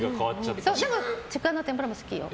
でも、ちくわの天ぷらも好きよ。